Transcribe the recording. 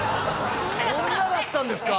そんなだったんですか？